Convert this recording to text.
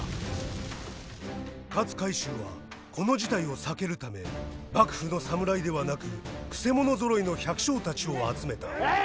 勝海舟はこの事態を避けるため幕府の侍ではなくくせ者ぞろいの百姓たちを集めた。